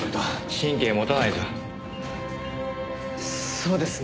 そうですね。